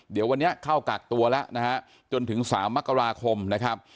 เดี๋ยววันนี้เข้ากักตัวแล้วนะฮะจนถึง๓มกราคมนะครับ